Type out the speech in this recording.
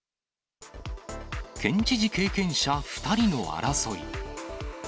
県知事経験者２人の争い。